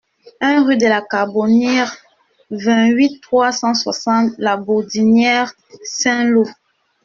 un rue de la Carbonniere, vingt-huit, trois cent soixante, La Bourdinière-Saint-Loup